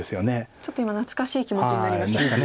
ちょっと今懐かしい気持ちになりました。